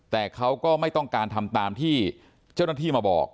แต่เขาก็ไม่ต้องการทำตามที่เจ้าหน้าที่มาบอก